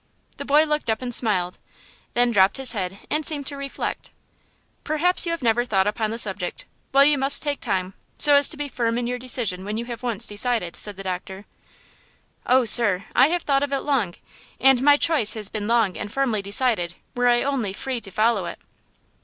The boy looked up and smiled, then dropped his head and seemed to reflect. "Perhaps you have never thought upon the subject. Well, you must take time, so as to be firm in your decision when you have once decided," said the doctor. "Oh, sir, I have thought of it long, and my choice has been long and firmly decided, were I only free to follow it."